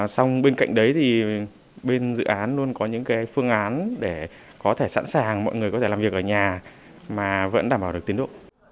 xong bên cạnh đấy thì bên dự án luôn có những cái phương án để có thể sẵn sàng mọi người có thể làm việc ở nhà mà vẫn đảm bảo được tiến độ